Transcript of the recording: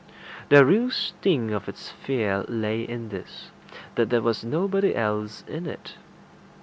The real sting of its fear lay in this that there was nobody else in it.